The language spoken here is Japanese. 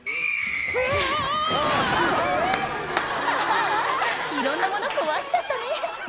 「うわ！」ああいろんなもの壊しちゃったね